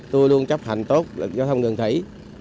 tôi luôn chấp hành tốt luật giao thông đường thủy